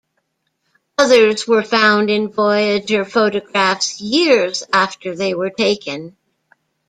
Others were found in Voyager photographs years after they were taken.